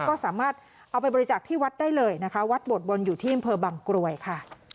ก็สามารถเอาไปบริจาคที่วัดได้เลยนะคะวัดโบดบนอยู่ที่อำเภอบางกรวยค่ะ